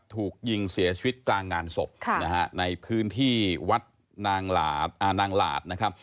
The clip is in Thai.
ถูกยิงเสียชีวิตกลางงานศพนะฮะในพื้นที่วัดนางหลาดนะครับ